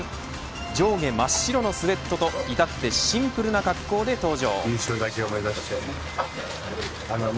上下真っ白のスウェットと至ってシンプルな格好で登場。